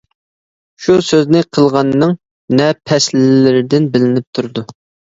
شۇ سۆزنى قىلغاننىڭ نەپەسلىرىدىن بىلىنىپ تۇرىدۇ.